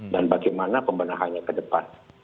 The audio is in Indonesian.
dan bagaimana pembenahannya ke depan